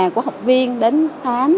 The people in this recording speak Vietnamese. của học viên đến khám